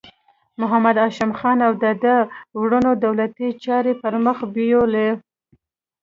محمد هاشم خان او د ده وروڼو دولتي چارې پر مخ بیولې.